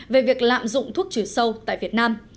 về việc lạm dụng thuốc trừ sâu tại việt nam